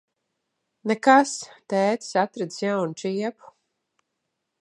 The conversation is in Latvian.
Nekas. Tētis atradis jaunu čiepu.